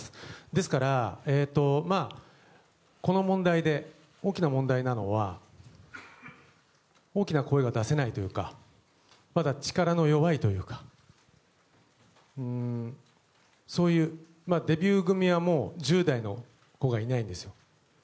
ですから、この問題で大きな問題なのは大きな声が出せないというかまだ力の弱いというかそういうデビュー組は１０代の子がいないんですよ。